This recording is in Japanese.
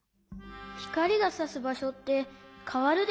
ひかりがさすばしょってかわるでしょ？